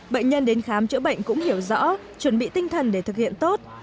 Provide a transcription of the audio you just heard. bệnh nhân đến khám chữa bệnh cũng hiểu rõ chuẩn bị tinh thần để thực hiện tốt